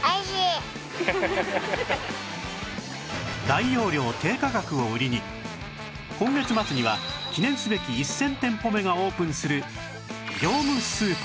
大容量低価格を売りに今月末には記念すべき１０００店舗目がオープンする